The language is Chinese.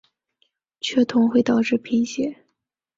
缺铜会导致贫血。